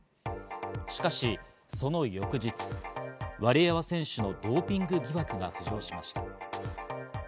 しかしその翌日、ワリエワ選手のドーピング疑惑が浮上しました。